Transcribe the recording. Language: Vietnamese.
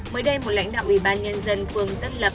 mới đây một lãnh đạo ủy ban nhân dân phường tân lập